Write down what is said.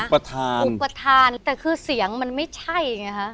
อุปทานแต่คือเสียงมันไม่ใช่